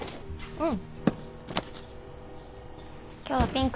うん。